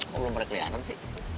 kok belum berkeliaran sih